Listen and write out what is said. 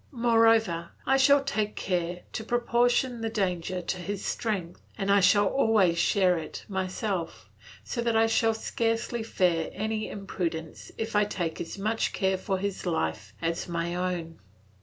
Moreover, I shall take care to proportion the danger to his strength, and I shall always share it myself, so that I need scarcely fear any imprudence if I take as much care for his life as for my own.